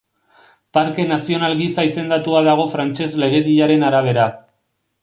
Parke nazional gisa izendatua dago frantses legediaren arabera.